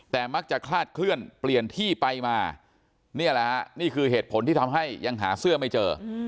แต่มักจะคลาดเคลื่อนเปลี่ยนที่ไปมานี่แหละฮะนี่คือเหตุผลที่ทำให้ยังหาเสื้อไม่เจอ